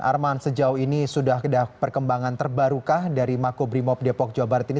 arman sejauh ini sudah ada perkembangan terbarukah dari makobrimob depok jawa barat ini